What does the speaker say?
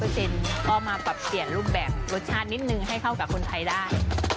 ก็มาปรับเปลี่ยนรูปแบบรสชาตินิดนึงให้เข้ากับคนไทยได้